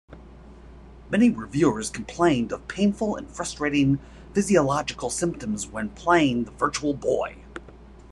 Many reviewers complained of painful and frustrating physiological symptoms when playing the Virtual Boy.